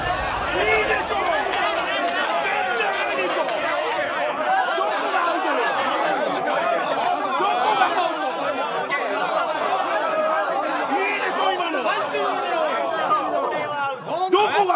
いいでしょ、今の。